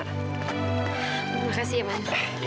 terima kasih ya man